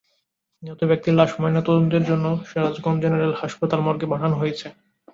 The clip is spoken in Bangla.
নিহত ব্যক্তির লাশ ময়নাতদন্তের জন্য সিরাজগঞ্জ জেনারেল হাসপাতাল মর্গে পাঠানো হয়েছে।